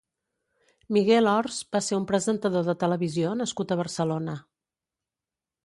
Miguel Ors va ser un presentador de televisió nascut a Barcelona.